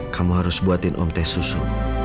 kamu harus buatin om teh susu